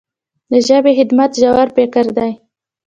د ژبې خدمت ژور فکر دی.